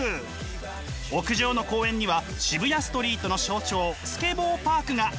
屋上の公園には渋谷ストリートの象徴スケボーパークが。